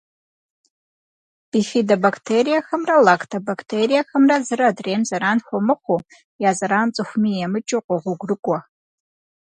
Бифидобактериехэмрэ лактобактериехэмрэ зыр адрейм зэран хуэмыхъуу, я зэран цӏыхуми емыкӏыу къогъуэгурыкӏуэ.